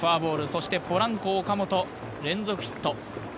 そしてポランコ、岡本連続ヒット。